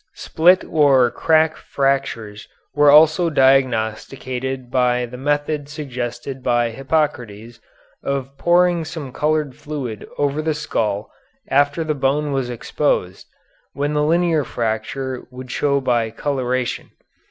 Split or crack fractures were also diagnosticated by the method suggested by Hippocrates of pouring some colored fluid over the skull after the bone was exposed, when the linear fracture would show by coloration.